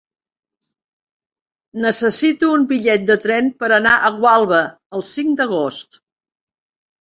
Necessito un bitllet de tren per anar a Gualba el cinc d'agost.